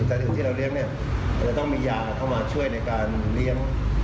สถิติที่เราเลี้ยงจะต้องมียาเข้ามาช่วยในการเลี้ยง